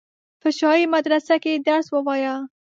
په شاهي مدرسه کې یې درس ووایه.